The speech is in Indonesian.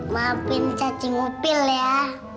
maafin cacing upil ya